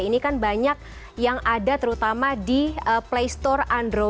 ini kan banyak yang ada terutama di playstore android